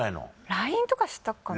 ＬＩＮＥとかしたかな？